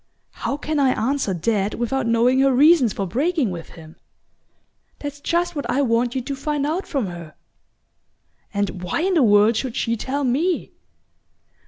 "How can I answer that without knowing her reasons for breaking with him?" "That's just what I want you to find out from her." "And why in the world should she tell me?"